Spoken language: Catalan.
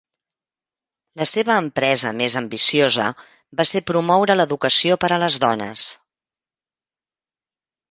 La seva empresa més ambiciosa va ser promoure l'educació per a les dones.